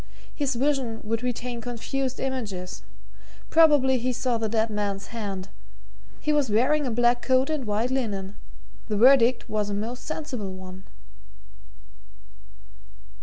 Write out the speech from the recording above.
His vision would retain confused images. Probably he saw the dead man's hand he was wearing a black coat and white linen. The verdict was a most sensible one."